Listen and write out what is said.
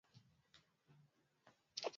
Ugonjwa wa mapafu kwa ngombe